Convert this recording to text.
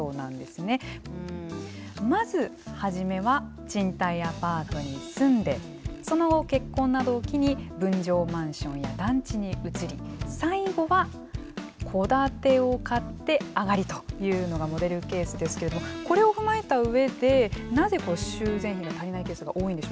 まず初めは賃貸アパートに住んでその後結婚などを機に分譲マンションや団地に移り最後は戸建てを買ってあがりというのがモデルケースですけれどもこれを踏まえた上でなぜ修繕費が足りないケースが多いんでしょうか久保さん。